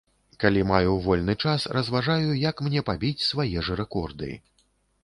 Калі маю вольны час, разважаю, як мне пабіць свае ж рэкорды.